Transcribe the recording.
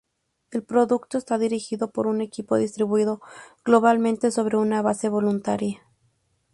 El producto está dirigido por un equipo distribuido globalmente sobre una base voluntaria.